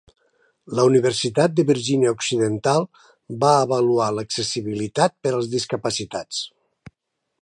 La Universitat de Virgínia Occidental va avaluar l'accessibilitat per als discapacitats.